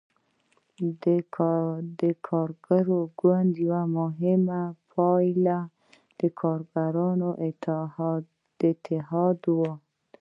د کارګر ګوند یوه مهمه پایه د کارګرو اتحادیه وه.